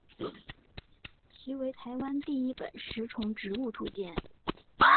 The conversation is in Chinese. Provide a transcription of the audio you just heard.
其为台湾第一本食虫植物图鉴。